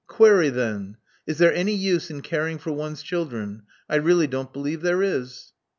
Query then: is there any use in caring for one's children? I really don't believe there is."